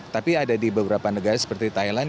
tapi ada di beberapa negara seperti thailand